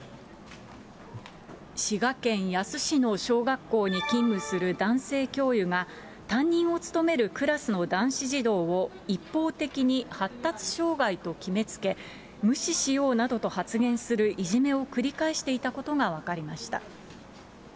滋賀県野洲市の小学校に勤務する男性教諭が、担任を務めるクラスの男子児童を、一方的に発達障害と決めつけ、無視しようなどと発言するいじめを繰り返していたことが分かりました。